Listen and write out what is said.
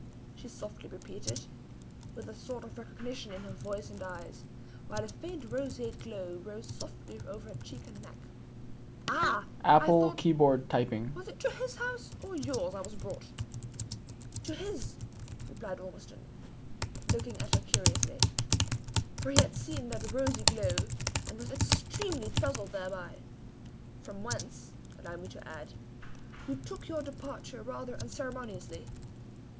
she softly repeated, with a sort of recognition in her voice and eyes, while a faint roseate glow rose softly over her face and neck. "Ah! I thought was it to his house or yours I was brought?" "To his," replied Ormiston, looking at her curiously; for he had seen that rosy glow, and was extremely puzzled thereby; "from whence, allow me to add, you took your departure rather unceremoniously."